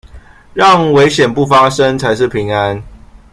讓危險不發生才是平安